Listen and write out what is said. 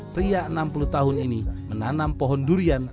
pria enam puluh tahun ini menanam pohon durian